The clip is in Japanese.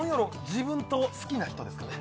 自分と好きな人ですかね